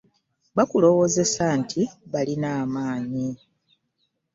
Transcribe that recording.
Bakulowoozesa nti balina amaanyi.